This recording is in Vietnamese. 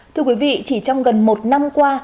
thưa quý vị chỉ trong gần một năm qua